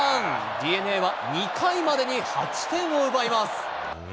ＤｅＮＡは２回までに８点を奪います。